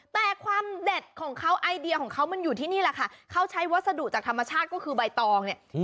แต่ความเด็ดของเขาไอเดียของเขามันอยู่ที่นี่แหละค่ะเขาใช้วัสดุจากธรรมชาติก็คือใบตองเนี่ย